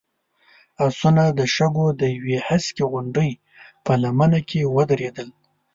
آسونه د شګو د يوې هسکې غونډۍ په لمنه کې ودرېدل.